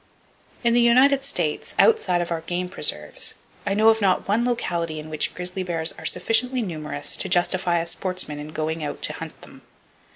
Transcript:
In the United States, outside of our game preserves, I know of not one locality in which grizzly bears are sufficiently numerous to justify a sportsman in going out to hunt them.